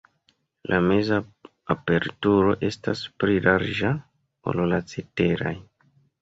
La meza aperturo estas pli larĝa, ol la ceteraj.